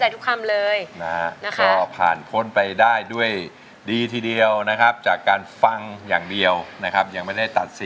จะไม่รอบต้นให้ฉันดูแลใจเธอ